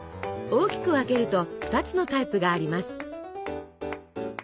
大きく分けると２つのタイプがあります。